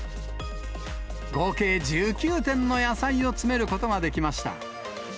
合計１９点の野菜を詰めることができました。